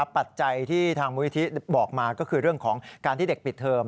ปัจจัยที่ทางมูลนิธิบอกมาก็คือเรื่องของการที่เด็กปิดเทอม